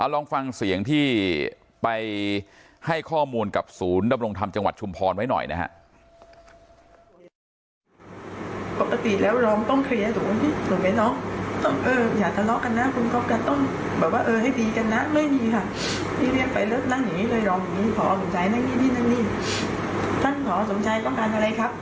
ลองฟังเสียงที่ไปให้ข้อมูลกับศูนย์ดำรงธรรมจังหวัดชุมพรไว้หน่อยนะฮะ